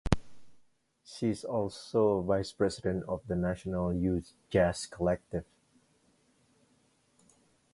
She is also vice-president of the National Youth Jazz Collective.